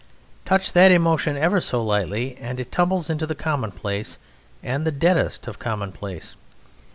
Touch that emotion ever so lightly and it tumbles into the commonplace, and the deadest of commonplace.